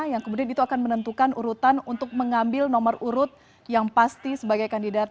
yang kemudian itu akan menentukan urutan untuk mengambil nomor urut yang pasti sebagai kandidat